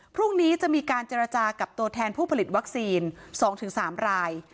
พรุ่งนี้จะมีการเจรจากับตัวแทนผู้ผลิตวัคซีน๒๓ราย